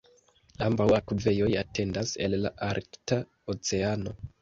Ambaŭ akvejoj etendas el la Arkta Oceano.